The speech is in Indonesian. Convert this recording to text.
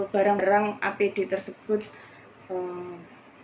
barang barang apd tersebut di distributor dan sebagainya